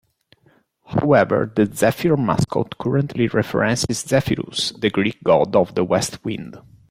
However, the Zephyr mascot currently references Zephyrus, the Greek god of the west wind.